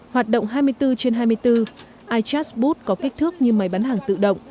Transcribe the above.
hoạt động hai mươi bốn trên hai mươi bốn ichat bood có kích thước như máy bán hàng tự động